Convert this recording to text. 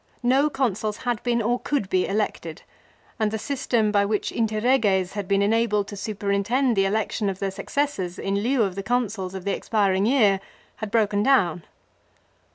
No Consuls had setat. 55. |. )eeil or cou ]^ k e e i ec ted, and the system by which " interreges " had been enabled to superintend the election of their successors in lieu of the Consuls of the expiring year had broken down.